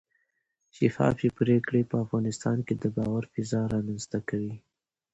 شفافې پرېکړې په افغانستان کې د باور فضا رامنځته کوي